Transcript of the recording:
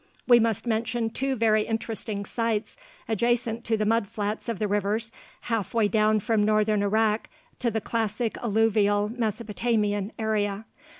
We must mention two very interesting sites adjacent to the mud flats of the rivers, half way down from northern Iraq to the classic alluvial Mesopotamian area.